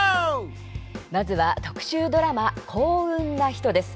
まずは、特集ドラマ「幸運なひと」です。